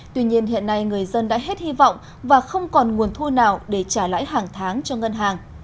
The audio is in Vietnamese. tuy nhiên hiện nay người dân đã hết hy vọng và không còn nguồn thu nào để trả lãi hàng tháng cho ngân hàng